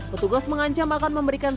petugas mengancam akan memberikan